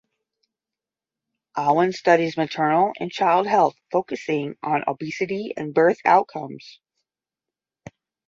Alwan studies maternal and child health focusing on obesity and birth outcomes.